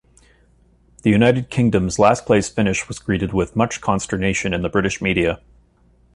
The United Kingdom's last-place finish was greeted with much consternation in the British media.